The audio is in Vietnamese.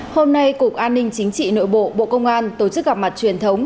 hôm nay cục an ninh chính trị nội bộ bộ công an tổ chức gặp mặt truyền thống